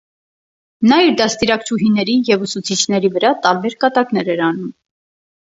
Նա իր դաստիարականչուհիների և ուսուցիչների վրա տարբեր կատակներ էր անում։